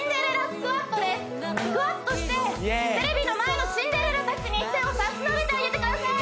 スクワットしてテレビの前のシンデレラ達に手を差し伸べてあげてください